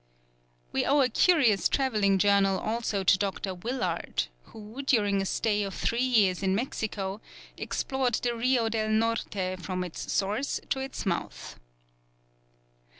We owe a curious travelling journal also to Doctor Willard, who, during a stay of three years in Mexico, explored the Rio del Norte from its source to its mouth.